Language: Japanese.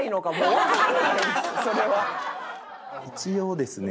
一応ですね